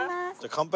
乾杯？